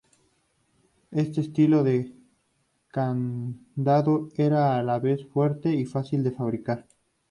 Este estilo de candado era a la vez fuerte y fácil de fabricar.